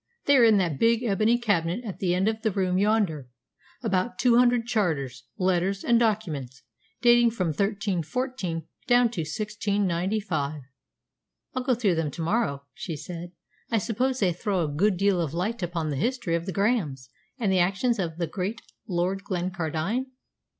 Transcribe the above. "They are in that big ebony cabinet at the end of the room yonder about two hundred charters, letters, and documents, dating from 1314 down to 1695." "I'll go through them to morrow," she said. "I suppose they throw a good deal of light upon the history of the Grahams and the actions of the great Lord Glencardine?"